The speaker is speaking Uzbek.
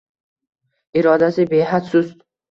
irodasi behad sust